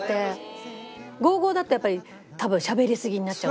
５５だとやっぱり多分しゃべりすぎになっちゃう。